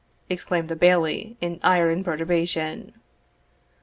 exclaimed the Bailie, in ire and perturbation.